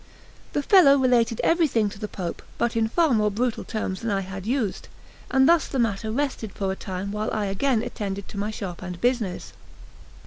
The fellow related everything to the Pope, but in far more brutal terms than I had used; and thus the matter rested for a time while I again attended to my shop and business.